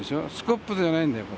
スコップじゃないんだよ、これ。